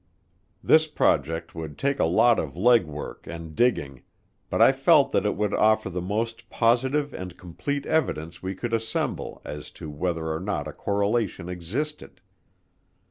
This project would take a lot of leg work and digging, but I felt that it would offer the most positive and complete evidence we could assemble as to whether or not a correlation existed.